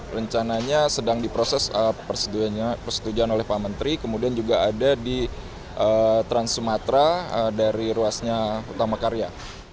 rencananya sedang diproses persetujuan oleh pak menteri kemudian juga ada di trans sumatera dari ruasnya utama karya